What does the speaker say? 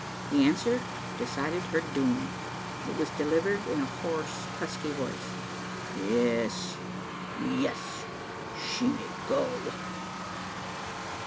The answer decided her doom. It was delivered in a hoarse husky voice: "Yes yes she may go!"